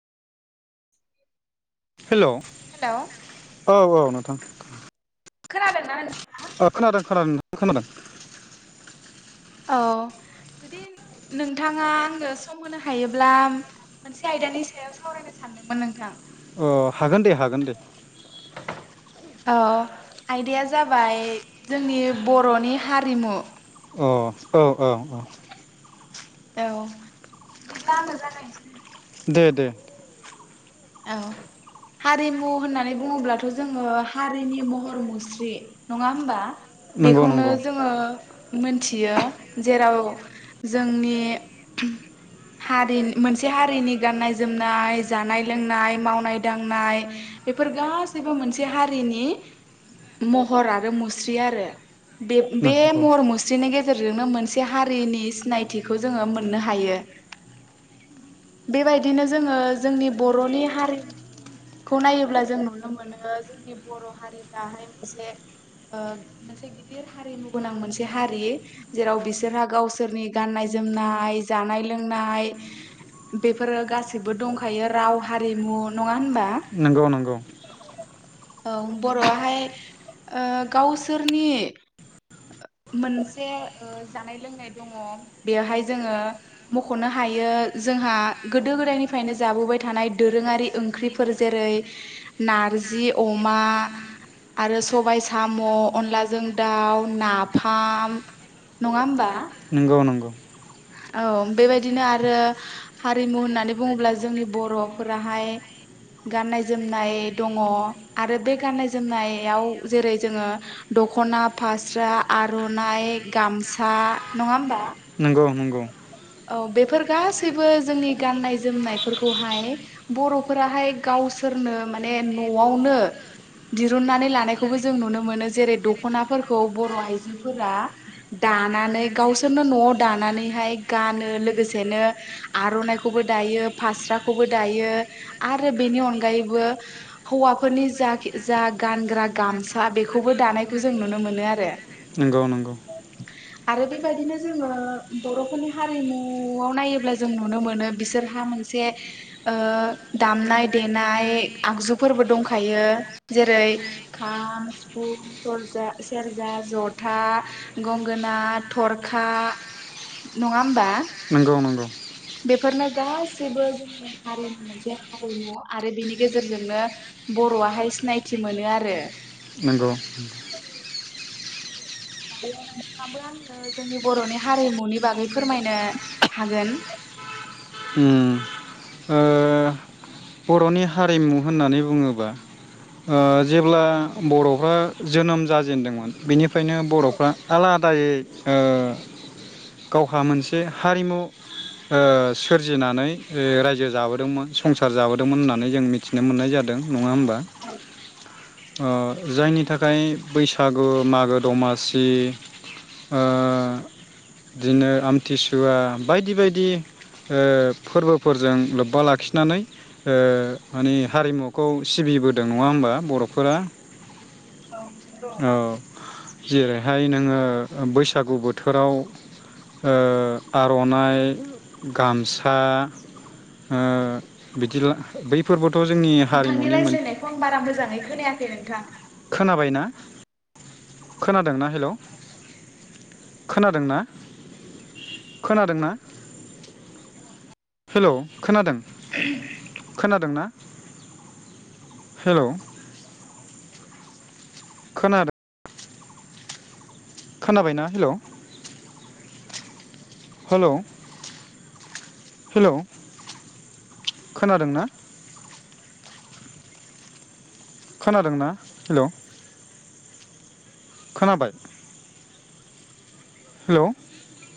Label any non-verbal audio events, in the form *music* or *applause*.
हेल' hello औ औ नोंथां। *inaudible* खोनादोंना नोंथां? ओ खोनादों खोनादों नों खोनादों। औ जुदि नोंथाङा आंनो सम होनो हायोब्ला मोनसे आयदानि सायाव सावरायनो सानदोंमोन नोंथां। अ हागोन दे हागोन दे। औ आयदाया जाबाय जोंनि बर'नि हारिमु अ औ ओं ओं। औ बिदिब्ला आंनो जागायसै नोंथां। दे दे। औ हारिमु होननानै बुङोब्लाथ' जोङो हारिनि महर मुस्रि नङा होमबा? नंगौ बेखौनो नंगौ जोङो मोनथियो जेराव जोंनि हारि मोनसे हारिनि गाननाय जोमनाय, जानाय लोंनाय, मावनाय दांनाय बेफोर गासैबो मोनसे हारिनि महर आरो मुस्रि आरो। बे-बे नंगौ महर मुस्रिनि गेजेरजोंनो मोन से हारिनि सिनायथिखौ‌ जोङो मोन्नो हायो। बेबायदिनो जोङो जोंनि बर'नि हारि *inaudible* खौ नायोब्ला जों नुनो मोनो जोंनि बर' हारिफ्राहाय मोनसे ओ मोनसे गिदिर हारिमु गोनां मोनसे हारि जेराव बिसोरहा गावसोरनि गाननाय जोमनाय, जानाय लोंनाय बेफोरो गासिबो दंखायो। राव हारिमु नङा होनबा? नंगौ नंगौ। औ बर'आहाय ओ गावसोरनि मोनसे ओ जानाय लोंनाय दङ' बेवहाय जोङो मख'नो हायो जोंहा गोदो गोदायनिफ्रायनो जाबोबाय थानाय दोरोङारि ओंख्रिफोर जेरै नारजि अमा आरो सबाइ साम' अनलाजों दाउ ना फाम नङा होमबा? नंगौ नंगौ औ बेबायदिनो आरो हारिमु होननानै बुङोब्ला जोंनि बर'फोराहाय गाननाय जोमनाय दङ आरो बे गाननाय जोमनायाव जेरै जोङो दख'ना, फास्रा, आर'नाइ, गामसा नङा होमबा? नोंगौ नंगौ औ बेफोर गासैबो जोंनि गाननाय जोमनायफोरखौहाय बर'फोराहाय गावसोरनो माने न'आवनो दिरुननानै लानायखौबो जों नुनो मोनो जेरै दख'नाफोरखौ बर' आइजोफोरा दानानै गावसोरनो न'आव दानानैहाय गानो लोगोसेनो आर'नाइखौबो दायो फास्राखौबो दायो आरो बेनि अनगायैबो हौवाफोरनि जा जा गानग्रा गामसा बेखौबो दानायखौ जों नुनो मोनो आरो नोंगौ नोंगौ आरो बेबायदिनो जोङो बर'फोरनि हारिमुआव नायोब्ला जों नुनो मोनो बिसोरहा मोनसे ओ दामनाय देनाय आगजुफोरबो दंखायो जेरै खाम सिफुं सरजा सेरजा जथा गंगोना थरखा नङा होमबा? नोंगौ नोंगौ बेफोरनो गासैबो जोंनि हारिनि मोनसे हारिमु आरो बेनि गेजेरजोंनो बर'आहाय सिनायथि मोनो आरो नोंगौ दायो नोंथाङाबो आंनो जोंनि बर'नि हारिमुनि बागै फोरमायनो हागोन उम ओ बर'नि हारिमु होननानै बुङोबा ओ जेब्ला बर'फ्रा जोनोम जाजेनदोंमोन बेनि फ्रायनो औ बर'फ्रा आला दायै ओ गावहा मोनसे हारिमु ओ सोरजिनानै रायजो जाबोदोंमोन संसार जाबोदों दोंमोन होननानै जों मिथिनो मोननाय जादों। नङा होमबा? औ ओ जायनि थाखाय बैसागु मागो दमासि ओ बिदिनो आमथिसुवा बायदि बायदि ओ फोरबोफोरजों लोब्बा लाखिनानै ओ माने हारिमुखौ सिबिबोदों नङा होमबा बर'फोरा? औ नंगौ औ जेरैहाय नोङो बैसागु बोथोराव ओ आर'नाइ गामसा ओ बिदिला बैफोरबोथ' जोंनि नोंथांनि हारिमुनि मोन रायज्लायनायखौ आं बारा मोजाङै खोनायाखै नोंथां। खोनाबायना खोनादोंना हेलौ खोनादोंना खोनादोंना हेलौ खोनादों? *inaudible* खोनादोंना हेलौ खोनादों? खोनाबायना हेलौ हेलौ हेलौ खोनादों ना? खोनादोंना हेलौ खोनाबाय? हेलौ